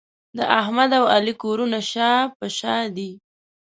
د احمد او علي کورونه شا په شا دي.